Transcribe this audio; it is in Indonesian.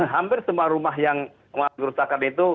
hampir semua rumah yang diuruskan itu